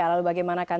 ya lalu bagaimana kan